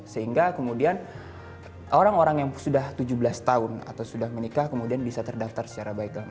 sehingga kemudian orang orang yang sudah tujuh belas tahun atau sudah menikah kemudian bisa terdaftar secara baik